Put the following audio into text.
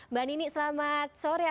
mbak nini selamat sore